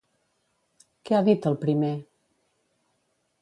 Què ha dit el primer?